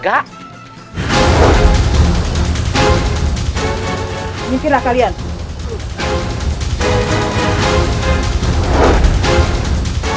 makasih pak yusuf